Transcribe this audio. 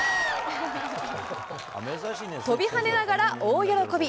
跳びはねながら大喜び。